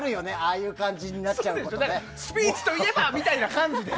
ああいう感じにスピーチといえばみたいな感じで。